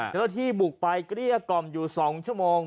เจ้าหน้าที่บุกไปเกลี้ยกล่อมอยู่๒ชั่วโมง